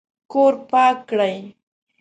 کور پاک کړئ